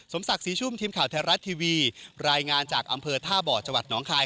สมสักสีชุมทีมข่าวแทรกทีวีรายงานจากอำเภอท่าบ่อจนคาย